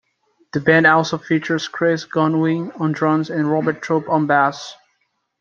The band also features Kris Goodwin on drums and Robert Troup on bass.